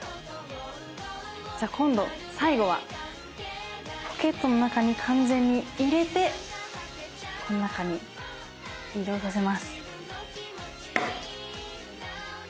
じゃあ今度最後はポケットの中に完全に入れてこの中に移動させます。